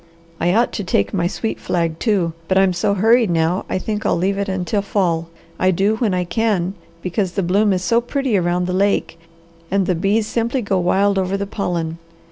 I ought to take my sweet flag, too, but I'm so hurried now I think I'll leave it until fall; I do when I can, because the bloom is so pretty around the lake and the bees simply go wild over the pollen.